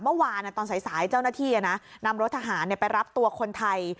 เมื่อวานตอนสายเจ้าหน้าที่นำรถทหารไปรับตัวคนไทย